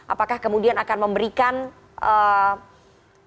apakah kemudian akan memberikan tiket untuk